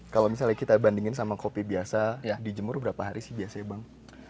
kalau misalnya kita bandingin sama kopi biasa dijemur berapa hari sih biasanya bang